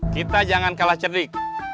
kita jangan kalah cerdik